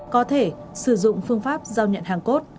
có thể sử dụng phương pháp giao nhận hàng